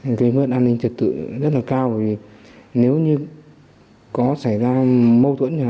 nguy cơ tìm ẩn của nó rất là cao vì nếu như có xảy ra mâu thuẫn